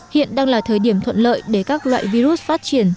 hiện đang là thời điểm thuận lợi để các loại virus phát triển